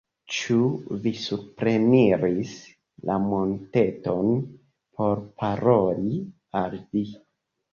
Ĉu vi supreniris la monteton por paroli al li?